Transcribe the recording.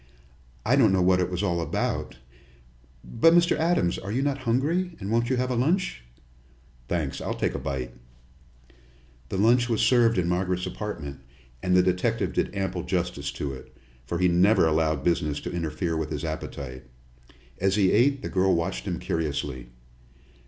I don't know what it was all about. But, Mr. Adams, are you not hungry, and won't you have a lunch?" "Thanks, I'll take a bite." The lunch was served in Margaret's apartment, and the detective did ample justice to it, for he never allowed business to interfere with his appetite. As he ate, the girl watched him curiously.